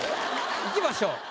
いきましょう。